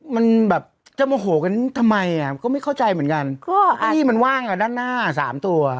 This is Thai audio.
มันแบบจะโมโหกันทำไมอ่ะก็ไม่เข้าใจเหมือนกันก็ที่มันว่างอ่ะด้านหน้าสามตัว